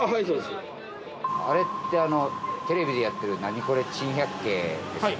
あれってテレビでやってる『ナニコレ珍百景』ですよね。